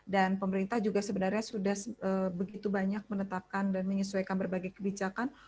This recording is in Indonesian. dan pemerintah juga sebenarnya sudah begitu banyak menetapkan dan menyesuaikan berbagai kebijakan